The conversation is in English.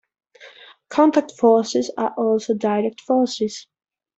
Contact forces are also direct forces.